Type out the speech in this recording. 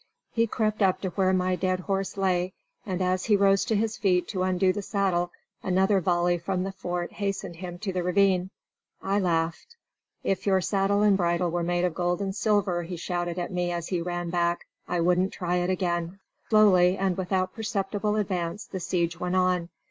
He crept up to where my dead horse lay, and as he rose to his feet to undo the saddle another volley from the fort hastened him to the ravine. I laughed. "If your saddle and bridle were made of gold and silver," he shouted at me as he ran back, "I wouldn't try it again." Slowly and without perceptible advance the siege went on.